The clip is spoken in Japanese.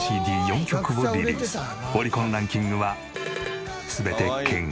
オリコンランキングは全て圏外。